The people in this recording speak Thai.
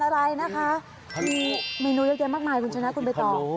แล้วตอบเอาเลยอยากทานอะไรนะคะ